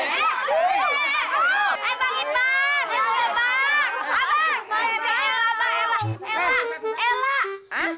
eh bang iman yaudah bang